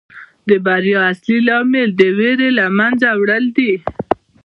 د بریا اصلي لامل د ویرې له منځه وړل دي.